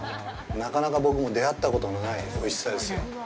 なかなか僕も出会ったことのないおいしさですよ。